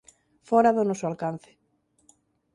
Fóra do noso alcance.